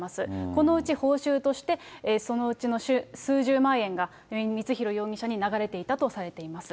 このうち報酬として、そのうちの数十万円が、光弘容疑者に流れていたとされています。